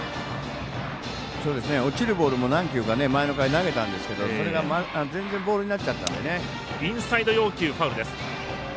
落ちるボールも、何球か前の回、投げたんですけどそれが全然ボールになっちゃったのでね。